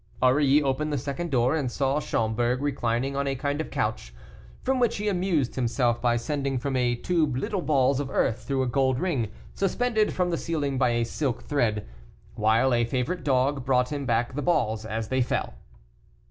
Aurilly opened the second door and saw Schomberg reclining on a kind of couch, from which he amused himself by sending from a tube little balls of earth through a gold ring, suspended from the ceiling by a silk thread, while a favorite dog brought him back the balls as they fell.